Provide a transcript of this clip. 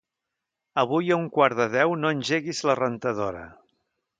Avui a un quart de deu no engeguis la rentadora.